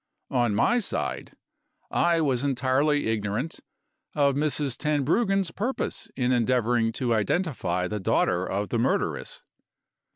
On my side, I was entirely ignorant of Mrs. Tenbruggen's purpose in endeavoring to identify the daughter of the murderess.